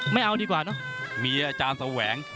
มีอาจารย์แสวง